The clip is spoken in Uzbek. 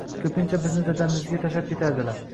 Ko‘pincha bizni dadamizga tashlab ketardilar.